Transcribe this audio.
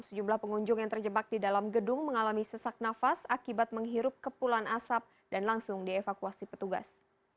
sejumlah pengunjung yang terjebak di dalam gedung mengalami sesak nafas akibat menghirup kepulan asap dan langsung dievakuasi petugas